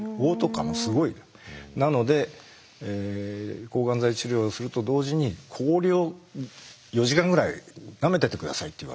なので抗がん剤治療をすると同時に氷を４時間ぐらいなめてて下さいって言われた。